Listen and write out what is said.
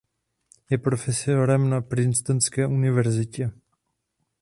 Je profesorem na Princetonské univerzitě.